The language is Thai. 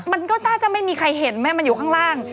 มันก็น่าจะไม่มีใครเห็นไหมมันอยู่ข้างล่าง